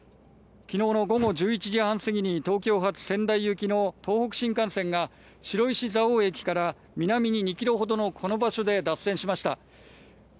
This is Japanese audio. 昨日の午後１１時半過ぎに東京発仙台行きの東北新幹線が白石蔵王駅から南に２ｋｍほどのこの場所で脱線しました。